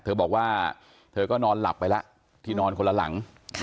เธอบอกว่าเธอก็นอนหลับไปแล้วที่นอนคนละหลัง